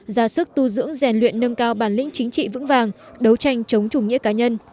ra sức tu dưỡng rèn luyện nâng cao bản lĩnh chính trị vững vàng đấu tranh chống chủ nghĩa cá nhân